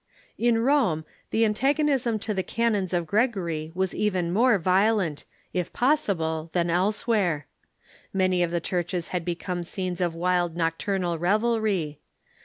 * In Rome, the antagonism to the canons of Gregory was even more violent, if possible, than elsew'here. Many of the churches had become scenes of wild nocturnal revelry.